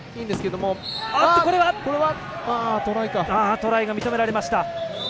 トライが認められました。